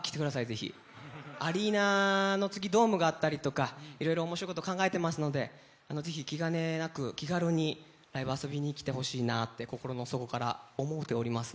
ぜひアリーナの次ドームがあったりとかいろいろ面白いこと考えてますのでぜひ気兼ねなく気軽にライブ遊びに来てほしいなって心の底から思うております